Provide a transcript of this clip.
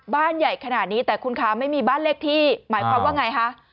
ใหญ่ขนาดนี้แต่คุณคะไม่มีบ้านเลขที่หมายความว่าไงคะ